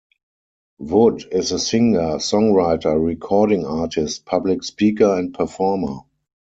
Wood is a singer, songwriter, recording artist, public speaker and performer.